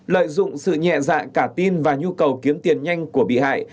bốn lợi dụng sự nhẹ dạng cả tin và nhu cầu kiếm tiền nhanh của bị hại